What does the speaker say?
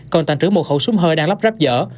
còn tàn trữ một khẩu súng hơi đang lắp ráp dở